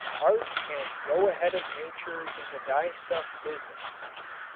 Art can go ahead of nature in the dyestuff business.